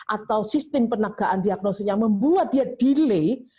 atau sistem penegakan diagnosenya membuat dia delay